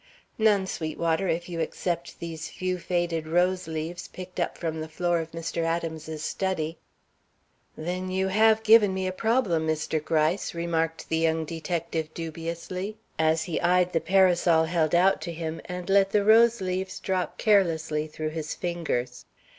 "None, Sweetwater, if you except these few faded rose leaves picked up from the floor of Mr. Adams's study." "Then you have given me a problem, Mr. Gryce," remarked the young detective dubiously, as he eyed the parasol held out to him and let the rose leaves drop carelessly through his fingers.